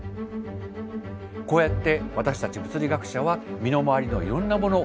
こうやって私たち物理学者は身の回りのいろんなもの